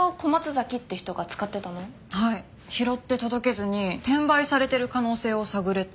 拾って届けずに転売されてる可能性を探れって。